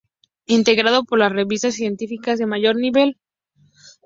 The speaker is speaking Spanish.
Integrado por las revistas científicas de mayor nivel.